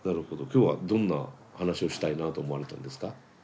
今日はどんな話をしたいなと思われたんですか？